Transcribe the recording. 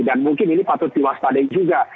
dan mungkin ini patut diwaspadai juga